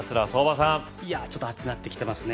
さんいやちょっと暑なってきてますね